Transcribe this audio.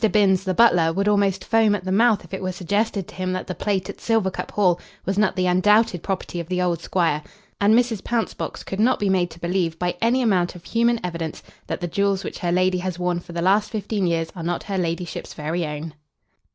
Binns, the butler, would almost foam at the mouth if it were suggested to him that the plate at Silvercup Hall was not the undoubted property of the old squire; and Mrs. Pouncebox could not be made to believe, by any amount of human evidence, that the jewels which her lady has worn for the last fifteen years are not her ladyship's very own.